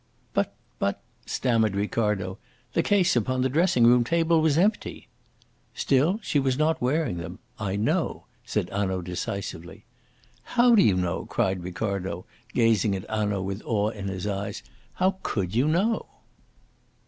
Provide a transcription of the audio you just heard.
"But but," stammered Ricardo, "the case upon the dressing room table was empty." "Still, she was not wearing them, I know," said Hanaud decisively. "How do you know?" cried Ricardo, gazing at Hanaud with awe in his eyes. "How could you know?"